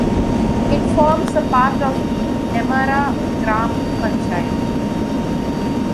It forms a part of the Nemmara gram panchayat.